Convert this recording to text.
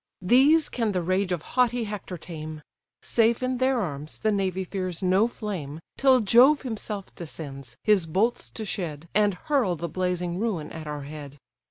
These can the rage of haughty Hector tame: Safe in their arms, the navy fears no flame, Till Jove himself descends, his bolts to shed, And hurl the blazing ruin at our head.